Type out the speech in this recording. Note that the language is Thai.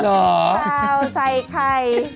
ข่าวไซไทย